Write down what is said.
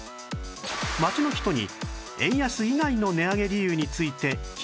街の人に円安以外の値上げ理由について聞いてみると